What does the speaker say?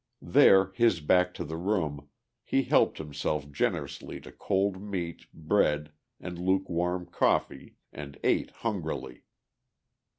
There, his back to the room, he helped himself generously to cold meat, bread and luke warm coffee and ate hungrily.